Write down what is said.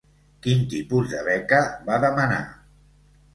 Quin tipus de beca va demanar?